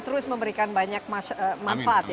terus memberikan banyak manfaat